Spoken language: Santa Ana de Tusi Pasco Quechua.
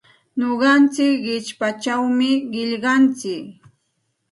Nuqantsik qichpachawmi qillqantsik.